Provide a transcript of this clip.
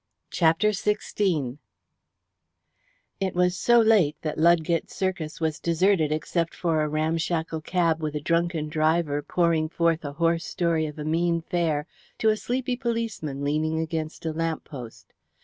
CHAPTER XVI It was so late that Ludgate Circus was deserted except for a ramshackle cab with a drunken driver pouring forth a hoarse story of a mean fare to a sleepy policeman leaning against a lamp post.